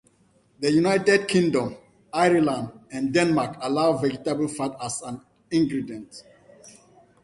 The United Kingdom, Ireland and Denmark allow vegetable fat as an ingredient.